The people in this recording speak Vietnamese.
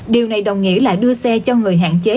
điều này đồng nghĩa là đưa xe cho người hạn chế